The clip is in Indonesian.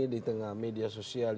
di tengah media sosial